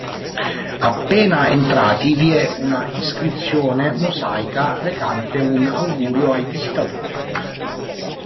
Appena entrati vi è una iscrizione mosaica recante un augurio ai visitatori.